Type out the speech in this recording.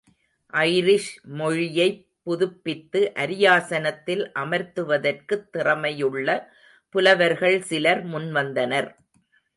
Irish மொழியைப் புதுப்பித்து அரியாசனத்தில் அமர்த்துவதற்குத் திறமையுள்ள புலவர்கள் சிலர் முன்வந்தனர்.